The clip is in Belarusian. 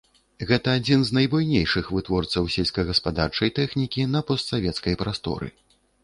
Гэта адзін з найбуйнейшых вытворцаў сельскагаспадарчай тэхнікі на постсавецкай прасторы.